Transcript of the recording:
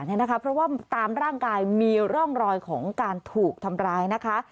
เพราะว่าตามร่างกายมีร่องรอยของการถูกทำร้ายนะคะ